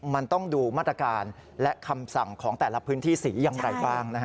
มันต้องดูมาตรการและคำสั่งของแต่ละพื้นที่สีอย่างไรบ้างนะฮะ